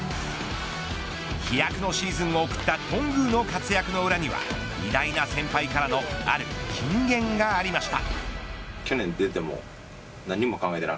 飛躍のシーズンを送った頓宮の活躍の裏には偉大な先輩からのある金言がありました。